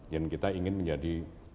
dan kita ingin menjadi